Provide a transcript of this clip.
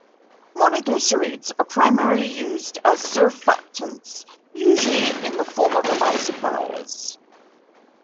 Monoglycerides are primarily used as surfactants, usually in the form of emulsifiers.